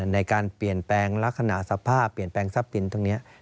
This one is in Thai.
ในการเปลี่ยนแปลงลักษณะสภาพเปลี่ยนแปลงทรัพย์สินตรงนี้